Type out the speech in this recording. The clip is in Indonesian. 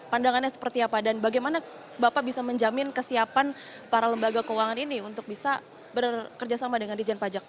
pandangannya seperti apa dan bagaimana bapak bisa menjamin kesiapan para lembaga keuangan ini untuk bisa bekerja sama dengan dijen pajak